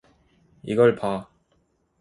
이걸 봐.